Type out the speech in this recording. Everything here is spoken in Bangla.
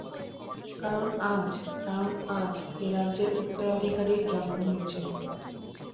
কারণ আজ, কারন আজ, এ রাজ্যের উত্তরাধিকারীর জন্ম হয়েছিল।